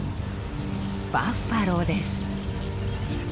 バッファローです。